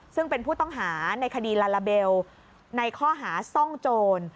ซึ่งเป็นผู้ต้องหาในคดีลาลาเบลในข้อหาซ่องโจร